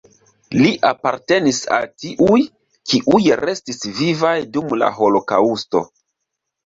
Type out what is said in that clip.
Li apartenis al tiuj, kiuj restis vivaj dum la holokaŭsto.